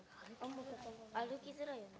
歩きづらいよね。